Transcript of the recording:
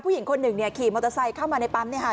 ผู้หญิงคนหนึ่งเนี่ยขี่มอเตอร์ไซค์เข้ามาในปั๊มเนี่ยค่ะ